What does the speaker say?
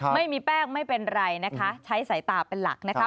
ไม่มีแป้งไม่เป็นไรนะคะใช้สายตาเป็นหลักนะคะ